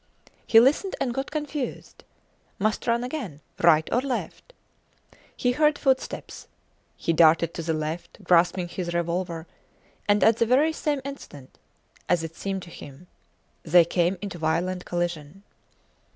He listened and got confused. Must run again! Right or left? He heard footsteps. He darted to the left, grasping his revolver, and at the very same instant, as it seemed to him, they came into violent collision.